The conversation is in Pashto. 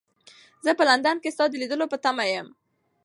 زه په لندن کې ستا د لیدلو په تمه یم.